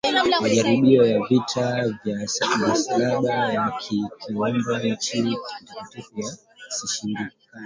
majaribio ya vita vya msalaba ya kuikomboa nchi takatifu yalishindikana